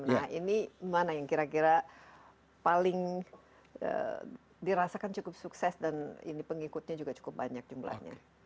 nah ini mana yang kira kira paling dirasakan cukup sukses dan ini pengikutnya juga cukup banyak jumlahnya